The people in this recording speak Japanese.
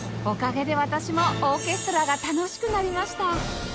おかげで私もオーケストラが楽しくなりました